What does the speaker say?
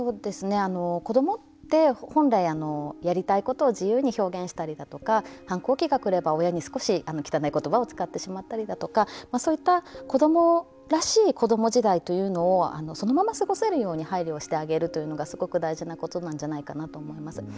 子どもって本来やりたいことを自由に表現したりだとか反抗期がくれば親に少し汚い言葉使ってしまったりだとかそういった子どもらしい子ども時代というのをそのまま過ごせるように配慮をしてあげるというのが大事なことなんじゃないかなと思います。